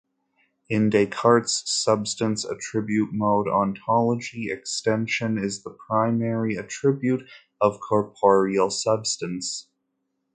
In Descartes' substance-attribute-mode ontology, extension is the primary attribute of corporeal substance.